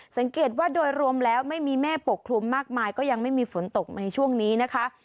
สังเกตว่าโดยรวมแล้วไม่มีเมฆปกคลุมมากมายก็ยังไม่มีฝนตกในช่วงนี้นะคะ